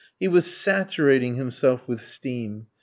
He was saturating himself with steam.